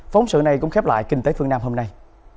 phóng sự này cũng khép lại kinh tế phương nam hôm nay